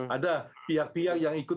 ada pihak pihak yang ikut